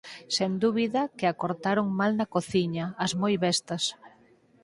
Sen dúbida que a cortaron mal na cociña, as moi bestas.